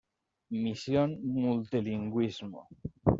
Misión Multilingüismo.